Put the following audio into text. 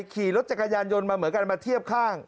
ขี่รถจักรยานยนต์มาเหมือนกันมาเทียบข้าง